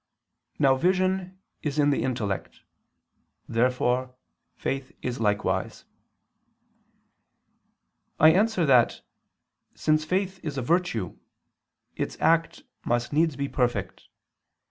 Now vision is in the intellect. Therefore faith is likewise. I answer that, Since faith is a virtue, its act must needs be perfect.